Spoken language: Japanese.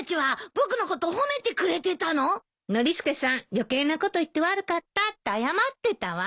余計なこと言って悪かったって謝ってたわ。